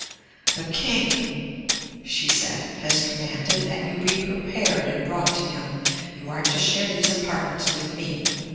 "The king," she said, "has commanded that you be prepared and brought to him. You are to share these apartments with me.